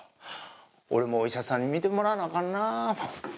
俺もお医者さんに見てもらわなアカンなぁ。